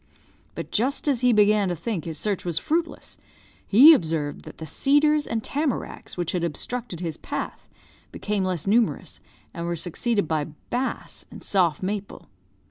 But just as he began to think his search was fruitless he observed that the cedars and tamaracks which had obstructed his path became less numerous, and were succeeded by bass and soft maple.